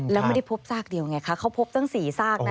แล้วไม่ได้พบซากเดียวไงคะเขาพบตั้ง๔ซากนะ